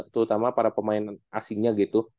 terutama para pemain asingnya gitu